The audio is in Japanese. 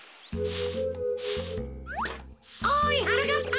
おいはなかっぱ。